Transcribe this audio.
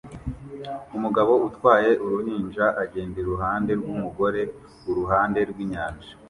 Umugabo utwaye uruhinja agenda iruhande rwumugore kuruhande rwinyanja